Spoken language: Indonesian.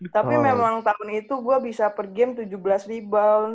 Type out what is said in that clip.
tapi memang tahun itu gue bisa pergi tujuh belas rebound